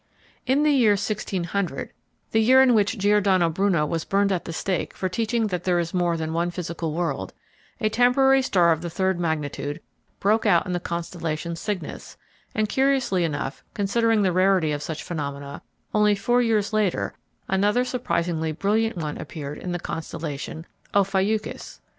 In the year 1600 (the year in which Giordano Bruno was burned at the stake for teaching that there is more than one physical world), a temporary star of the third magnitude broke out in the constellation Cygnus, and curiously enough, considering the rarity of such phenomena, only four years later another surprisingly brilliant one appeared in the constellation Ophiuchus.